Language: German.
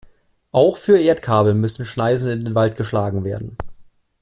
Auch für Erdkabel müssen Schneisen in den Wald geschlagen werden.